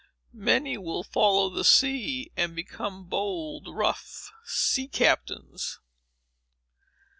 Many will follow the sea, and become bold, rough sea captains.